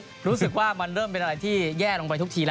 รู้สึกว่ามันเริ่มเป็นอะไรที่แย่ลงไปทุกทีแล้ว